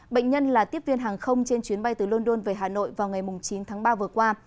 bệnh nhân là tiếp viên hàng không trên chuyến bay từ london về hà nội vào ngày chín tháng ba vừa qua